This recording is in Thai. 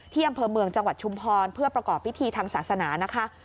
อำเภอเมืองจังหวัดชุมพรเพื่อประกอบพิธีทางศาสนานะคะ